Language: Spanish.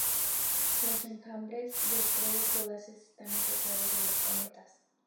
Los enjambres de estrellas fugaces están asociados a los cometas.